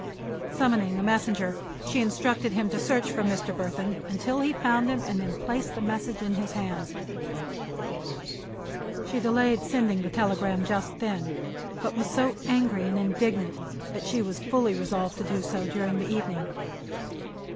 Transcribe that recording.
Summoning a messenger she instructed him to search for Mr. Burthon until he found him and then place the message in his hands. She delayed sending the telegram just then, but was so angry and indignant that she was fully resolved to do so during the evening.